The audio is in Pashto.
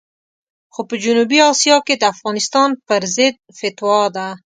خو په جنوبي اسیا کې د افغانستان پرضد فتوا ده.